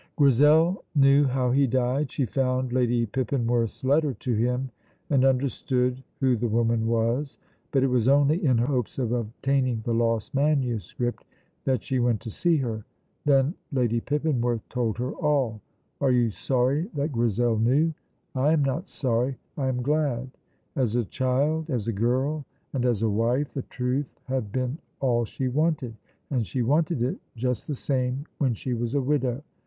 Grizel knew how he died. She found Lady Pippinworth's letter to him, and understood who the woman was; but it was only in hopes of obtaining the lost manuscript that she went to see her. Then Lady Pippinworth told her all. Are you sorry that Grizel knew? I am not sorry I am glad. As a child, as a girl, and as a wife, the truth had been all she wanted, and she wanted it just the same when she was a widow.